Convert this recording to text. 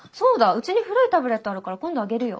うちに古いタブレットあるから今度あげるよ。